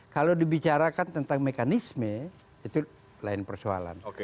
kalau dibicarakan tentang mekanisme itu lain persoalan